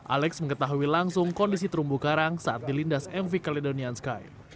alex mengetahui langsung kondisi terumbu karang saat dilindas mv caledonian sky